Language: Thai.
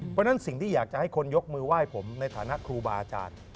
เพราะฉะนั้นสิ่งที่อยากจะให้คนยกมือไหว้ผมในฐานะครูบาอาจารย์